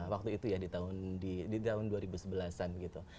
waktu itu ya di tahun dua ribu sebelas an gitu